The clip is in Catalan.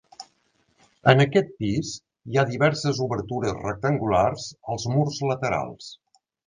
En aquest pis hi ha diverses obertures rectangulars als murs laterals.